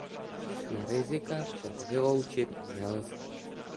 Všechna rizika však vyloučit nelze.